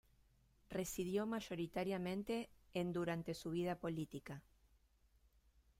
Residió mayoritariamente en durante su vida política.